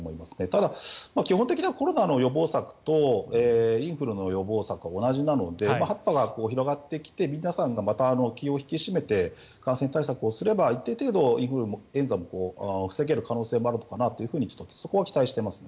ただ、基本的なコロナの予防策とインフルの予防策は同じなので８波が広がってきて皆さんがまた気を引き締めて感染対策をすれば一定程度、インフルエンザも防げる可能性もあるのかなとそこは期待してます。